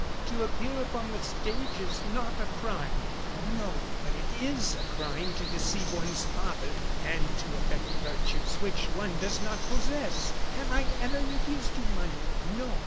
"To appear upon the stage is not a crime." "No; but it is a crime to deceive one's father and to affect virtues which one does not possess! Have I ever refused you money? No.